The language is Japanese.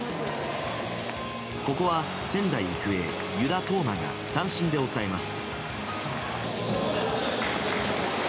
ここは仙台育英、湯田統真が三振で抑えます。